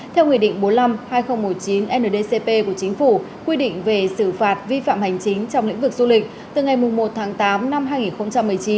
theo nghị định bốn mươi năm hai nghìn một mươi chín ndcp của chính phủ quy định về xử phạt vi phạm hành chính trong lĩnh vực du lịch từ ngày một tháng tám năm hai nghìn một mươi chín